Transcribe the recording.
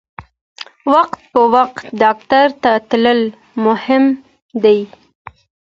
وخت په وخت ډاکټر ته تلل مهم دي.